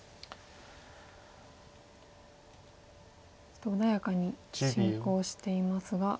そして穏やかに進行していますが。